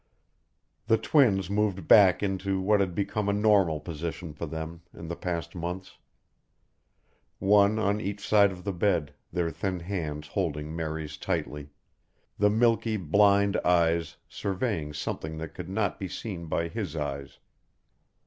The twins moved back into what had become a normal position for them in the past months: One on each side of the bed, their thin hands holding Mary's tightly, the milky blind eyes surveying something that could not be seen by his eyes.